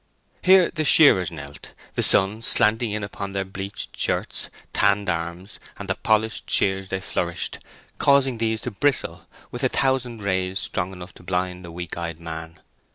Here the shearers knelt, the sun slanting in upon their bleached shirts, tanned arms, and the polished shears they flourished, causing these to bristle with a thousand rays strong enough to blind a weak eyed man.